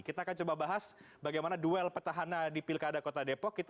kita akan coba bahas bagaimana duel petahana di pilkada kota depok